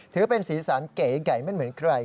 ถือเป็นสีสันเก๋ไก่ไม่เหมือนใคร